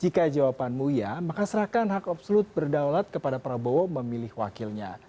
jika jawabanmu ya maka serahkan hak absolut berdaulat kepada prabowo memilih wakilnya